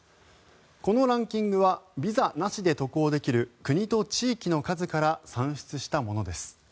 このランキングはビザなしで渡航できる国と地域の数から算出したものです。